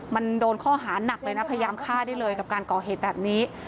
มันโดนข้อหานักเลยนะพยายามฆ่าได้เลยกับการก่อเหตุแบบนี้